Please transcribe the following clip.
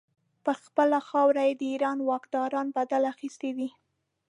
پر خپله خاوره یې د ایران د واکدارانو بدل اخیستی دی.